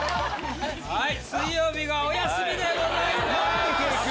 はい水曜日がお休みでございます。